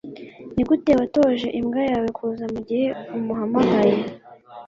Nigute watoje imbwa yawe kuza mugihe umuhamagaye